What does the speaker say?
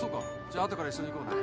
じゃあ後から一緒に行こうな。